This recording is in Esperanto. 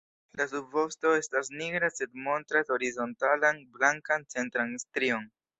La subvosto estas nigra sed montras horizontalan blankan centran strion.